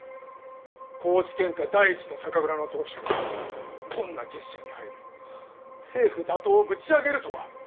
高知県下第一の酒蔵の当主がこんな結社に入り政府打倒をぶち上げるとは！